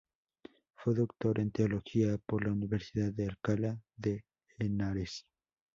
Fue Doctor en Teología por la Universidad de Alcalá de Henares.